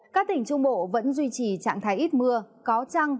các tỉnh trung bộ vẫn duy trì trạng thái ít mưa có trăng